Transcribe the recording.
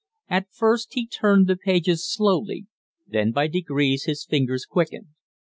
At first he turned the pages slowly, then by degrees his fingers quickened.